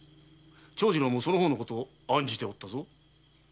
長次郎もその方のことを案じておったぞ。